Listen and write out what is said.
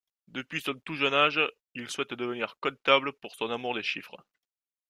Depuis son tout jeune âge, il souhaite devenir comptable pour son amour des chiffres.